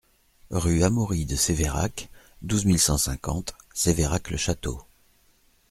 Rue Amaury de Séverac, douze mille cent cinquante Sévérac-le-Château